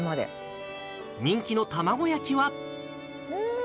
人気の卵焼きは？